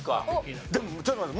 でもちょっと待って。